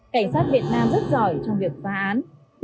cảnh sát việt nam rất giỏi trong việc phá án